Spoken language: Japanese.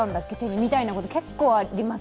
みたいなこと結構あります。